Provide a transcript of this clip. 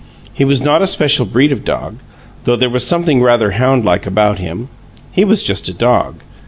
He was not a special breed of dog though there was something rather houndlike about him he was just a dog.